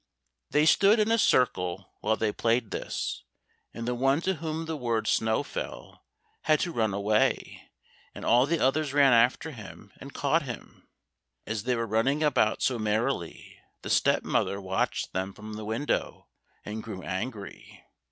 They stood in a circle while they played this, and the one to whom the word snow fell, had to run away and all the others ran after him and caught him. As they were running about so merrily the step mother watched them from the window, and grew angry.